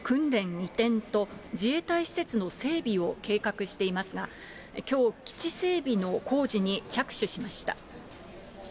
移転と自衛隊施設の整備を計画していますが、きょう、基地整備の工事に着手しました。